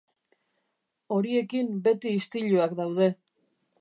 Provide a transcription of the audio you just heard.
Horiekin beti istiluak daude.